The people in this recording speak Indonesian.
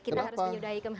kita harus menyudahi kemarin